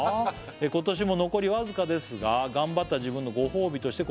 「今年も残りわずかですが頑張った自分へのご褒美として」